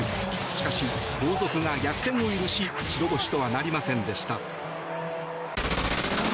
しかし、後続が逆転を許し白星とはなりませんでした。